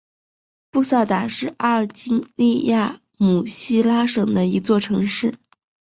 布萨达是阿尔及利亚姆西拉省的一座城市。